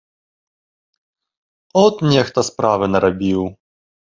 От, нехта справы нарабіў!